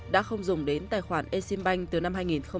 đã không dùng đến tài khoản exim bank từ năm hai nghìn một mươi